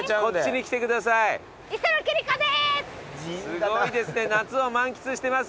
すごいですね夏を満喫してますね。